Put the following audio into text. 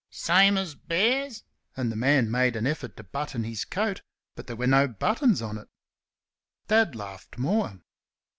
"Same as bears?" and the man made an effort to button his coat, but there were no buttons on it. Dad laughed more.